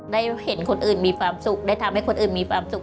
ได้เห็นคนอื่นมีความสุขได้ทำให้คนอื่นมีความสุข